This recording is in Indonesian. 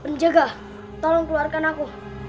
penjaga tolong keluarkan aku